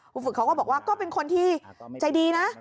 คุณฝึกเขาก็บอกว่าก็เป็นคนที่ใจดีนะ